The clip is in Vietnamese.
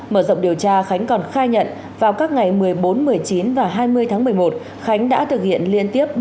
mở rộng điều tra khánh còn khai nhận vào các ngày một mươi bốn một mươi chín và hai mươi tháng một mươi một khánh đã thực hiện liên tiếp